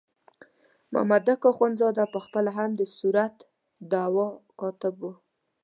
مامدک اخندزاده په خپله هم د صورت دعوا کاتب وو.